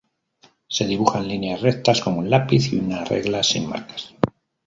Se dibujan líneas rectas con un lápiz y una regla sin marcas.